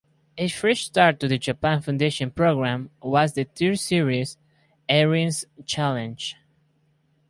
A fresh start to the Japan Foundation program was the third series, Erin's Challenge!